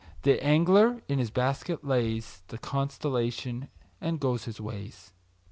The angler in his basket lays The constellation, and goes his ways.